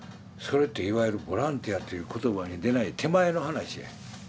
それっていわゆるボランティアという言葉に出ない手前の話やん。